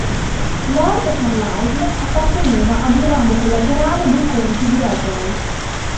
Lord Carlisle apparteneva ad un ramo collaterale dei conti di Errol.